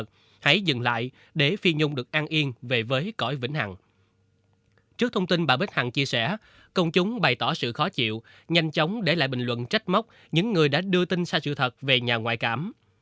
trước thông tin bà bích hằng chia sẻ công chúng bày tỏ sự khó chịu nhanh chóng để lại bình luận trách mốc những người đã đưa tin sai sự thật về nhà ngoại cảm